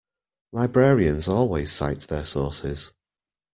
Librarians always cite their sources.